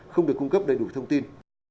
không được cung cấp đầy đủ thông tin